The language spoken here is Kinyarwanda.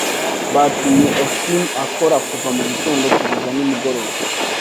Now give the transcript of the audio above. Batumye Oshin akora kuva mugitondo kugeza nimugoroba.